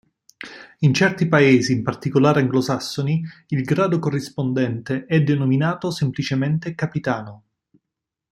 In certi paesi, in particolare anglosassoni, il grado corrispondente è denominato semplicemente capitano.